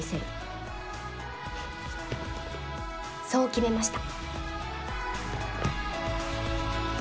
フッそう決めました。